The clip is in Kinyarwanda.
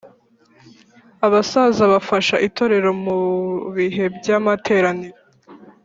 Abasaza bafasha itorero mubihe by’amateraniro